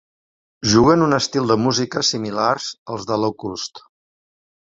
Juguen un estil de música similar als The Locust.